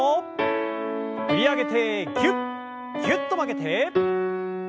振り上げてぎゅっぎゅっと曲げて。